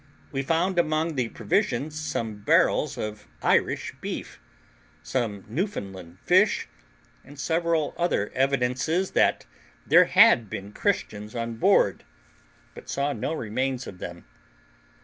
We found among the provisions some barrels of Irish beef, some Newfoundland fish, and several other evidences that there had been Christians on board, but saw no remains of them.